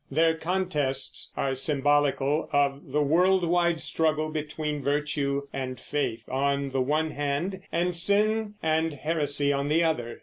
Their contests are symbolical of the world wide struggle between virtue and faith on the one hand, and sin and heresy on the other.